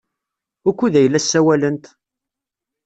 Wukud ay la ssawalent?